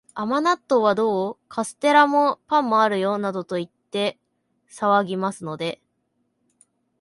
甘納豆はどう？カステラも、パンもあるよ、などと言って騒ぎますので、